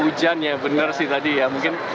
ujannya benar sih tadi ya mungkin